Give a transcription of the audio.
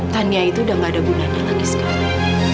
tania itu udah gak ada gunanya lagi sekarang